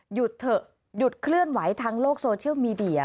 หยุดเถอะหยุดเคลื่อนไหวทางโลกโซเชียลมีเดีย